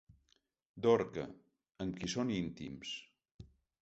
Dorca, amb qui són íntims.